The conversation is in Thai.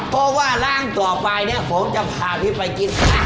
เพราะว่าร้านต่อไปเนี่ยผมจะพาพี่ไปกินซ่า